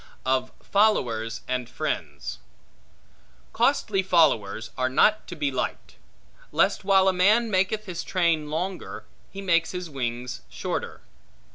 Of Followers And Friends COSTLY followers are not to be liked; lest while a man maketh his train longer, he make his wings shorter.